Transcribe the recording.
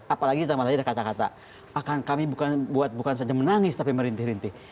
apalagi ditambah lagi ada kata kata akan kami buat bukan saja menangis tapi merintih rintih